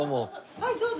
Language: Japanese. はいどうぞ。